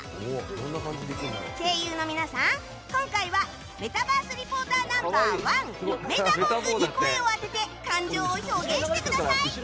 声優の皆さん、今回はメタバース・リポーターナンバー１メタボー君に声を当てて感情を表現してください！